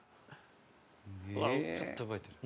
「ちょっと動いてる」